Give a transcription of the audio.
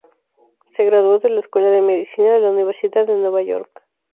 Se graduó de la Escuela de Medicina de la Universidad de Nueva York.